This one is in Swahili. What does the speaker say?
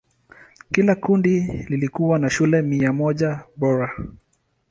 Kila kundi likiwa na shule mia moja bora.